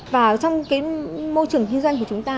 và trong môi trường kinh doanh của chúng ta